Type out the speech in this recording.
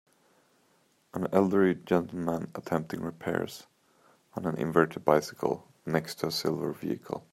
An elderly gentleman attempting repairs on an inverted bicycle next too a silver vehicle.